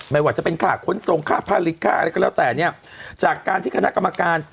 ไม่ว่าจะเป็นขาดค้นทรงค่าภาริกาอะไรก็แล้วแต่เนี้ยจากการที่คณะกรมการ